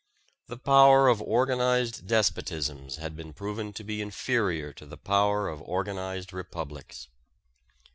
The power of organized despotisms had been proven to be inferior to the power of organized republics.